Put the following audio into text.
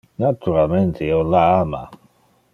Naturalmente io la ama!